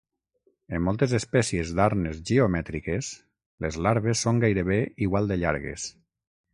En moltes espècies d'arnes geomètriques, les larves són gairebé igual de llargues.